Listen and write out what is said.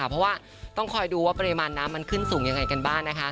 เพราะว่าต้องคอยดูว่าปริมาณน้ำมันขึ้นสูงยังไงกันบ้างนะคะ